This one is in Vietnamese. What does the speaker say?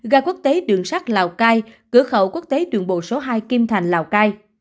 gai quốc tế đường sắt lào cai cửa khẩu quốc tế đường bộ số hai kim thành lào cai